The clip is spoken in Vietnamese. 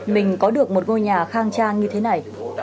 mình có được một ngôi nhà khang trang như thế này